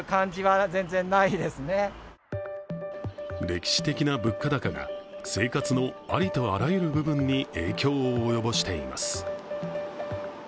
歴史的な物価高が生活のありとあらゆる部分に影響を及ぼしています。